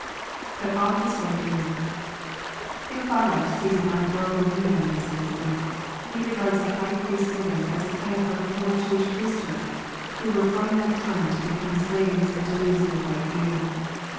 [Ctd off his Tight ear.] Theophylact sees an allegorical meaning in this incident. He regards the high priest's servant as a type of the whole Jewish priesthood, who were from that time to becoma slaves and lose their right ear.